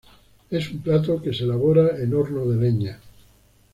Es un plato que se elabora en horno de leña.